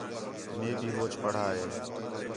مے بھی ہوچ پڑھا ہے